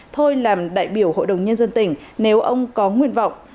thôi làm đại biểu hội đồng nhân dân tỉnh nếu ông có nguyện vọng